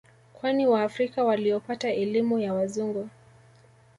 Kwani waafrika waliopata elimu ya Wazungu